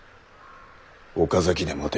岡崎で待て。